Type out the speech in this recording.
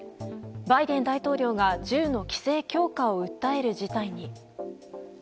バイデン大統領が銃の規制強化を訴える事態に。